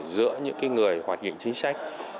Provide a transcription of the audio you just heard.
giữa những người hoạt định chính sách